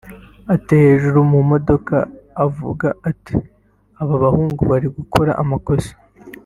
ateye hejuru mu modoka avuga ati "Aba bahungu bari gukora amakosa